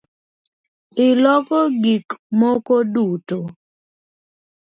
Iloko gikmoko duto?